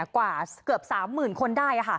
กว่าเกือบ๓๐๐๐คนได้